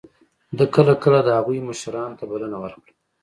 ده کله کله د هغوی مشرانو ته بلنه ورکړه.